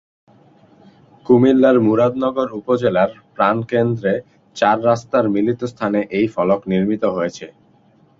কুমিল্লার মুরাদনগর উপজেলার প্রাণকেন্দ্রে চার রাস্তার মিলিত স্থানে এই ফলক নির্মিত হয়েছে।